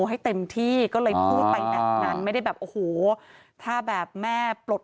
ให้เต็มที่ก็เลยพูดไปแบบนั้นไม่ได้แบบโอ้โหถ้าแบบแม่ปลด